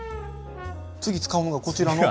次使うのがこちらの。